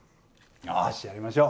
よしやりましょう。